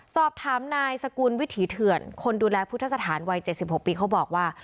สอบถามนายสกุลวิถีเถื่อนคนดูแลพุทธสถานวัย๗๖ปีเขาบอกว่า